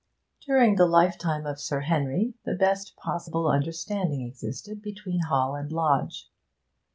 During the lifetime of Sir Henry the best possible understanding existed between Hall and lodge.